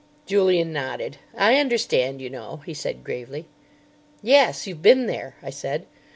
Julian nodded. "I understand, you know," he said gravely. "Yes, you've been there," I said.